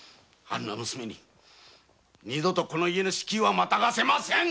あんな娘に二度とこの家の敷居はまたがせません。